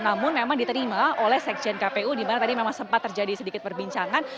namun memang diterima oleh sekjen kpu dimana tadi memang sempat terjadi sedikit perbincangan